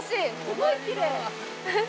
すごいきれい。